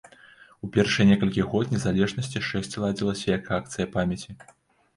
У першыя некалькі год незалежнасці шэсце ладзілася як акцыя памяці.